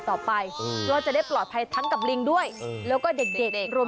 ใกล้จริงมาแล้วนะครับ